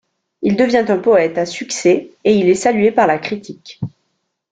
Il devient un poète à succès et il est salué par la critique.